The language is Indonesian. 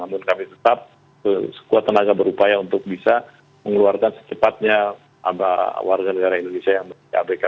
namun kami tetap sekuat tenaga berupaya untuk bisa mengeluarkan secepatnya warga negara indonesia yang memiliki abk